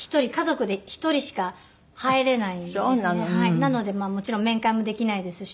なのでもちろん面会もできないですし。